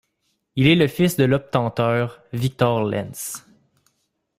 Il est le fils de l'obtenteur Victor Lens.